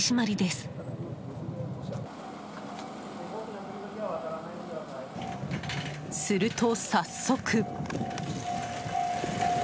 すると、早速。